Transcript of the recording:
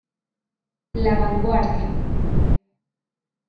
La Vanguardia.